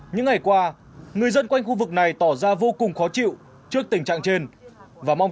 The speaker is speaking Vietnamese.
những ngày qua người dân quanh khu vực này tỏ ra vô cùng khó chịu trước tình trạng trên và mong